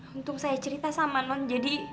untuk saya cerita sama non jadi